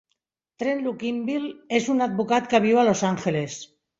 Trent Luckinbill és un advocat que viu a Los Angeles.